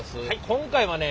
今回はね